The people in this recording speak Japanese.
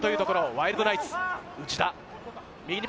ワイルドナイツ・内田、右に。